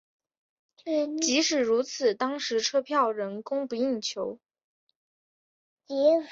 即使如此当时车票仍供不应求。